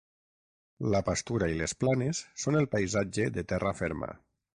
La pastura i les planes són el paisatge de terra ferma.